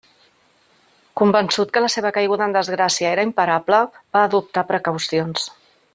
Convençut que la seva caiguda en desgràcia era imparable, va adoptar precaucions.